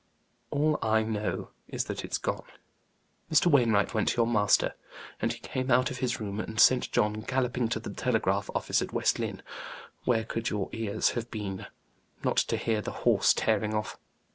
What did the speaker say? "All I know is, that's its gone. Mr. Wainwright went to your master, and he came out of his room and sent John galloping to the telegraph office at West Lynne; where could your ears have been, not to hear the horse tearing off?